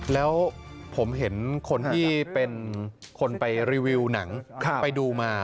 แล้วผมเห็นคนที่เป็นคนไปรีวิวหนังไปดูมา